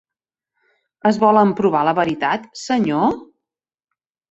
Es vol emprovar la veritat, senyor?